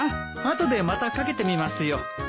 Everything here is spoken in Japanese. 後でまたかけてみますよ。